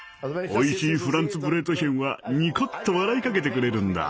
おいしいフランツブレートヒェンはにこっと笑いかけてくれるんだ。